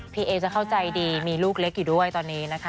พี่เอจะเข้าใจดีมีลูกเล็กอยู่ด้วยตอนนี้นะคะ